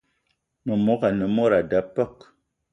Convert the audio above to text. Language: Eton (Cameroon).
Memogo ane mod a da peuk.